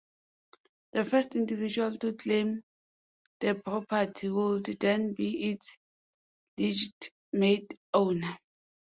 The first individual to claim the property would then be its legitimate owner.